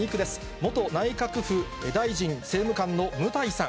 元内閣府大臣政務官の務台さん。